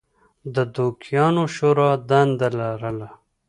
د دوکیانو شورا دنده لرله.